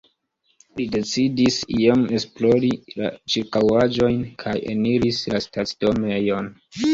Li decidis iom esplori la ĉirkaŭaĵojn, kaj eniris la stacidomejon.